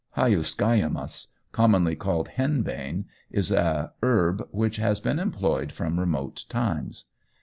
Hyoscyamus, commonly called henbane, is a herb which has been employed from remote times.